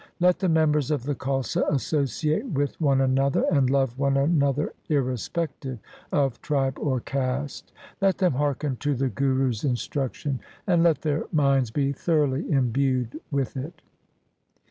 Let the members of the Khalsa associate with one another and love one another irrespective of tribe or caste. Let them hearken to the Guru's instruc tion, and let their minds be thoroughly imbued with it.'